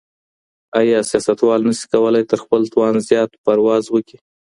ايا سياستوال نسي کولای تر خپل توان زيات پرواز وکړي؟